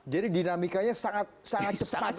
jadi dinamikanya sangat cepat